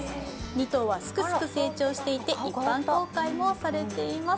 ２頭はすくすく成長して一般公開されています。